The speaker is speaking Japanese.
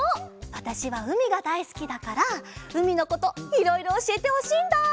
わたしはうみがだいすきだからうみのこといろいろおしえてほしいんだ。